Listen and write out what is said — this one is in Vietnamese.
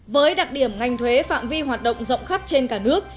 với đặc điểm ngành thuế phạm vi hoạt động rộng khắp trên cả nước